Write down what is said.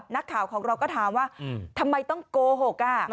นักข่าวของเราก็ถามว่าทำไมต้องโกหก